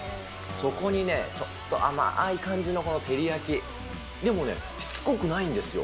そこにね、ちょっと甘ーい感じのテリヤキ、でもね、しつこくないんですよ。